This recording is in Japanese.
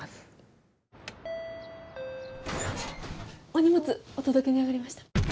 お荷物お届けに上がりました。